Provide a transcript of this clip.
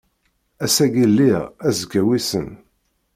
Ass-agi lliɣ azekka wissen.